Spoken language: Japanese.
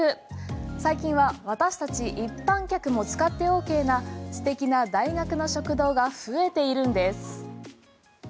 最近は私達一般客も使ってＯＫな素敵な大学の食堂が増えているんです。